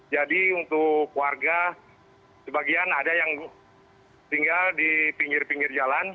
jadi untuk warga sebagian ada yang tinggal di pinggir pinggir jalan